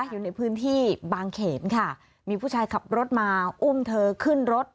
อยู่ในพื้นที่บางเขนค่ะมีผู้ชายขับรถมาอุ้มเธอขึ้นรถ